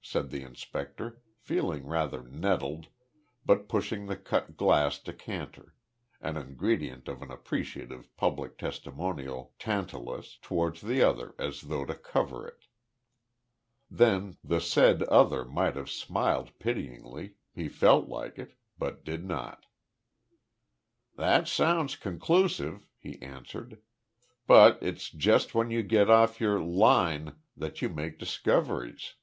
said the inspector, feeling rather nettled, but pushing the cut glass decanter an ingredient of an appreciative public testimonial Tantalus towards the other as though to cover it. The said other might have smiled pityingly he felt like it but did not. "That sounds conclusive," he answered. "But it's just when you get off your `line' that you make discoveries.